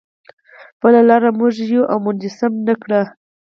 بله لار موږ یو او منسجم نه کړي.